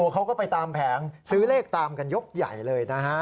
เขาก็ไปตามแผงซื้อเลขตามกันยกใหญ่เลยนะฮะ